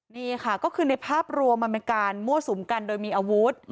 นี่ค่ะก็คือในภาพรวมมันเป็นการมั่วสุมกันโดยมีอาวุธ